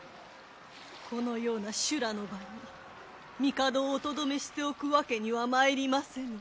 このような修羅の場に帝をおとどめしておくわけにはまいりませぬ。